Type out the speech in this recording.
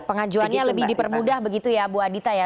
pengajuannya lebih dipermudah begitu ya bu adita ya